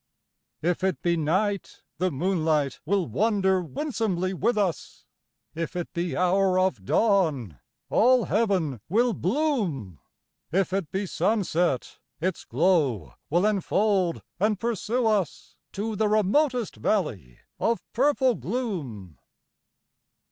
60 If it be night, the moonlight will wander winsomely with us, If it be hour of dawn, all heaven will bloom, If it be sunset, it's glow will enfold and pursue us. To the remotest valley of purple gloom.